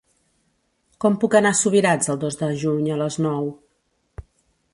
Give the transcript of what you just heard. Com puc anar a Subirats el dos de juny a les nou?